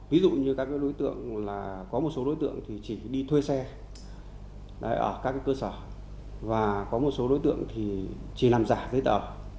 ví dụ như có một số đối tượng chỉ đi thuê xe ở các cơ sở và có một số đối tượng chỉ làm giả giấy tờ